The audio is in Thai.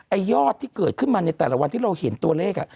ยอดที่เกิดขึ้นมาในแต่ละวันที่เราเห็นตัวเลข